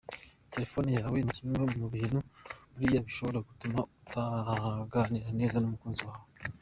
Telefone yawe ni kimwe mu bintu buriya gishobora gutuma utaganira neza n’umukunzi wawe.